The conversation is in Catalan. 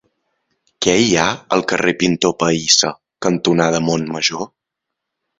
Què hi ha al carrer Pintor Pahissa cantonada Montmajor?